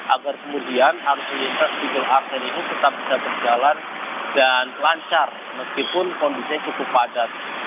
agar kemudian arus lintas legal arsen ini tetap bisa berjalan dan lancar meskipun kondisinya cukup padat